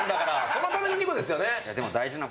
そのための２個ですよね？